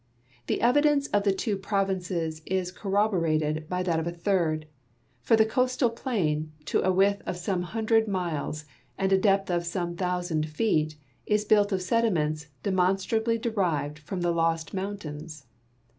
The evidence of the two provinces is cor roborated by that of a third ; for the coastal plain, to a width of some hundred miles and a depth of some thousand feet, is built of sediments demonstrably derived from the lost mountains.